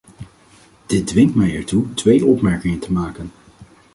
Dit dwingt mij ertoe twee opmerkingen te maken.